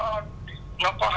nó có hơi khổ